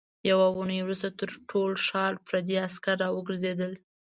يوه اوونۍ وروسته تر ټول ښار پردي عسکر راوګرځېدل.